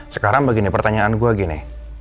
sekarang begini pertanyaan gue gini